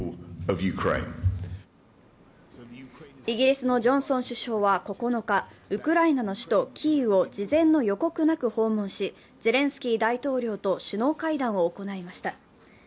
イギリスのジョンソン首相は９日ウクライナの首都キーウを事前の予告なく訪問しゼレンスキー大統領と首脳会談を行いました。